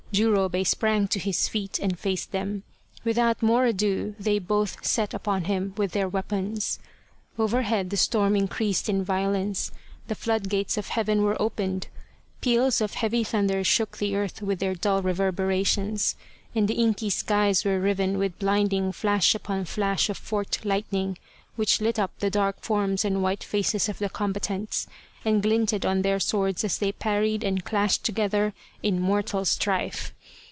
Jurobei sprang to his feet and faced them. With out more ado they both set upon him with their weapons. Overhead the storm increased in violence. The floodgates of heaven were opened, peals of heavy thunder shook the earth with their dull reverberations, and the inky skies were riven with blinding flash upon flash of forked lightning, which lit up the dark forms and white faces of the combatants, and glinted on their swords as they parried and clashed together in mortal strife.